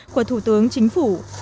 của thủ tướng chính phủ